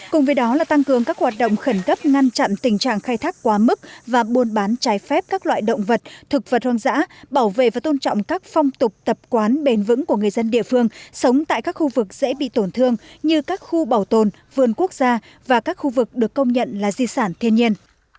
cùng với đó là tăng cường các hoạt động khẩn cấp ngăn chặn tình trạng khai thác quá mức và buôn bán trái phép các loại động vật thực vật hoang dã bảo vệ và tôn trọng các phong tục tập quán bền vững của người dân địa phương sống tại các khu vực dễ bị tổn thương như các khu bảo tồn vườn quốc gia và các khu vực được công nhận là di sản thiên nhiên